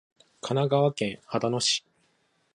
神奈川県秦野市